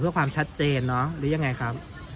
เพื่อความชัดเจนเนอะหรือยังไงครับ